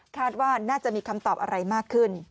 ว่าน่าจะมีคำตอบอะไรมากขึ้น